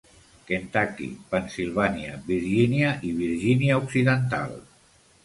Kentucky, Pennsilvània, Virgínia i Virgínia Occidental.